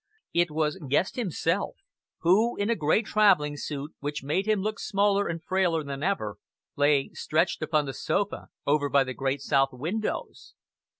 It was Guest himself, who in a grey travelling suit, which made him look smaller and frailer than ever, lay stretched upon the sofa over by the great south windows!